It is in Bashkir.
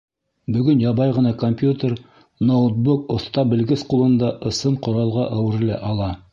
Бөгөн ябай ғына компьютер, ноутбук оҫта белгес ҡулында ысын ҡоралға әүерелә ала.